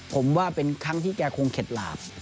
ผมว่าเป็นครั้งที่แกคงเข็ดหลาบ